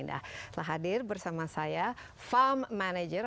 nah telah hadir bersama saya farm manager